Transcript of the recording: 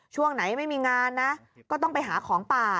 ช่วงไหนไม่มีงานนะก็ต้องไปหาของป่า